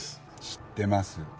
知ってます。